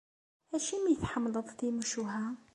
Acimi i tḥemmleḍ timucuha?